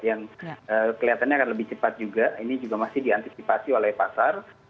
yang kelihatannya akan lebih cepat juga ini juga masih diantisipasi oleh pasar